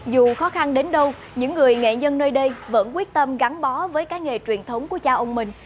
dù khó khăn đến đâu những người nghệ nhân nơi đây vẫn quyết tâm gắn bó với cái nghề truyền thống của cha ông mình